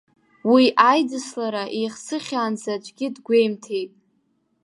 Уи, аидыслара еихсыӷьаанӡа аӡәгьы дгәеимҭеит.